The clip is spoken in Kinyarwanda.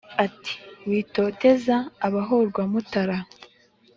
Ati : Witoteza abahorwa Mutara